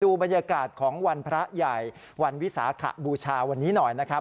บรรยากาศของวันพระใหญ่วันวิสาขบูชาวันนี้หน่อยนะครับ